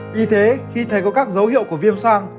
vì thế khi thấy có các dấu hiệu của viêm sang